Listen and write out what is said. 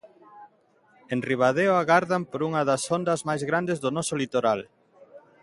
En Ribadeo agardan por unha das ondas máis grandes do noso litoral.